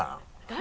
誰？